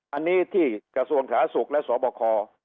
อันนี้ที่กระทรวงฐาศูกย์และสวบค